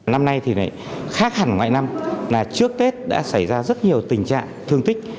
năm nay thì khác hẳn mọi năm là trước tết đã xảy ra rất nhiều tình trạng thương tích